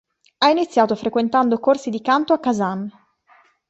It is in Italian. Ha iniziato frequentando corsi di canto a Kazan.